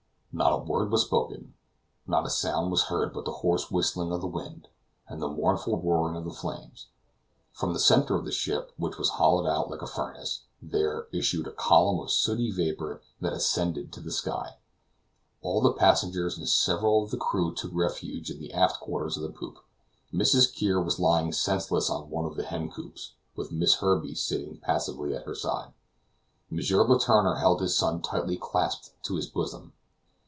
Not a word was spoken; not a sound was heard but the hoarse whistling of the wind, and the mournful roaring of the flames. From the center of the ship, which was hollowed out like a furnace, there issued a column of sooty vapor that ascended to the sky. All the passengers, and several of the crew, took refuge in the aft quarters of the poop. Mrs. Kear was lying senseless on one of the hen coops, with Miss Herbey sitting passively at her side; M. Letourneur held his son tightly clasped to his bosom.